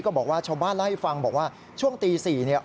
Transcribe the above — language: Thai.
บอกว่าชาวบ้านเล่าให้ฟังบอกว่าช่วงตี๔เนี่ย